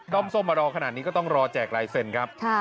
้อมส้มมารอขนาดนี้ก็ต้องรอแจกลายเซ็นต์ครับ